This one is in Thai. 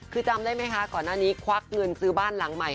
คือจำได้ไหมคะก่อนหน้านี้ควักเงินซื้อบ้านหลังใหม่